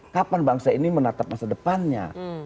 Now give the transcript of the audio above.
kapan bangsa ini menatap masa depannya